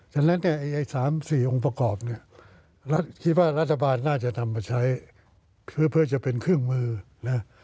ฉะนั้นเนี่ยไอ้๓๔องค์ประกอบเนี่ยรัฐคิดว่ารัฐบาลน่าจะทำมาใช้เพื่อจะเป็นเครื่องมือนะ